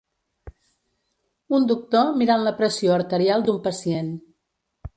un doctor mirant la pressió arterial d"un pacient.